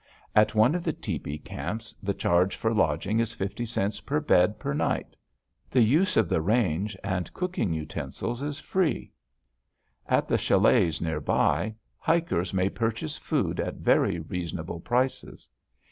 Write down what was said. At all of the tepee camps the charge for lodging is fifty cents per bed per night; the use of the range and cooking utensils is free. At the chalets near by, hikers may purchase food at very reasonable prices.